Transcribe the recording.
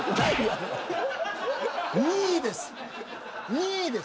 ２位です。